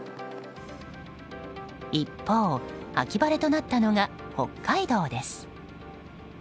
一方、秋晴れとなったのが北海道です。